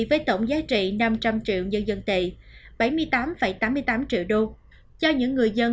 với tổng giá trị năm trăm linh triệu dân dân tệ bảy mươi tám tám mươi tám triệu đô cho những người dân